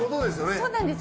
そうなんです。